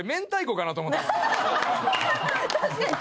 確かに。